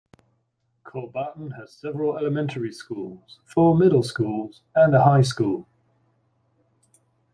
Kolbotn has several elementary schools, four middle schools and a high school.